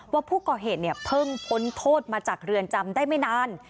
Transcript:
ว่าผู้ก่อเหตุเนี่ยเพิ่งพ้นโทษมาจากเรือนจำได้ไม่นาน